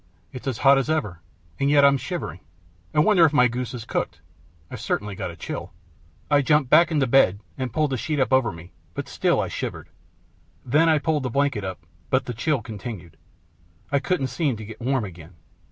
"It's as hot as ever, and yet I'm shivering. I wonder if my goose is cooked? I've certainly got a chill." I jumped back into bed and pulled the sheet up over me; but still I shivered. Then I pulled the blanket up, but the chill continued. I couldn't seem to get warm again.